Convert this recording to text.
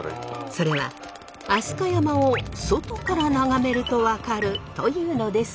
それは飛鳥山を外から眺めると分かるというのですが。